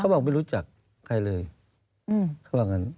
บอกไม่รู้จักใครเลยเขาว่างั้น